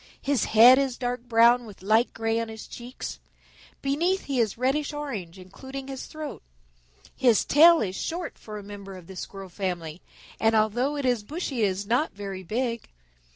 His head is dark brown with light gray on his cheeks. Beneath he is reddish orange, including his throat. His tail is short for a member of the Squirrel family, and although it is bushy, it is not very big.